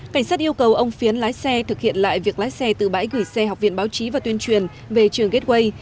cảnh sát yêu cầu ông phiến lái xe thực hiện lại việc lái xe từ bãi gửi xe học viện báo chí và tuyên truyền về trường gateway